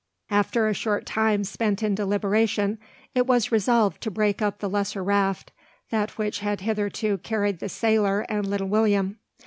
After a short time spent in deliberation, it was resolved to break up the lesser raft, that which had hitherto carried the sailor and little William.